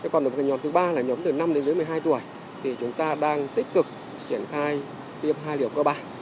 còn đối với nhóm thứ ba là nhóm từ năm đến dưới một mươi hai tuổi thì chúng ta đang tích cực triển khai tiêm hai liều cơ bản